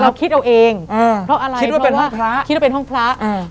คิดเอาเองอ่าเพราะอะไรคิดว่าเป็นห้องพระคิดว่าเป็นห้องพระอ่า